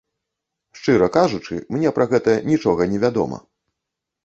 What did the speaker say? Шчыра кажучы, мне пра гэта нічога не вядома.